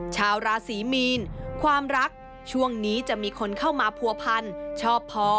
ชาวราศีมีนความรักช่วงนี้จะมีคนเข้ามาผัวพันชอบพอ